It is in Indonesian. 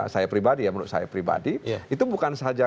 saya pribadi itu bukan saja